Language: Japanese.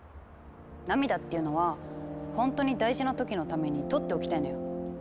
涙っていうのは本当に大事な時のためにとっておきたいのよきっと。